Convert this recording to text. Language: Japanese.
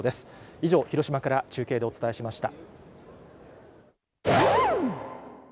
以上、広島から中継でお伝えしました。